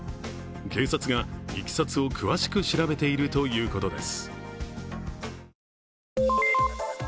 警察がいきさつを詳しく調べているということです。